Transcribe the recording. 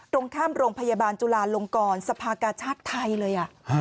ตรงข้ามโรงพยาบาลจุลาลงกรสภากาชาติไทยเลย